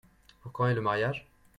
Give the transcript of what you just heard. Pour quand est le mariage ?